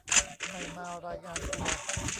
ไม่มารายงานตัว